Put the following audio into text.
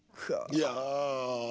いや。